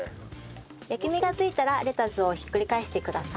焼き目がついたらレタスをひっくり返してください。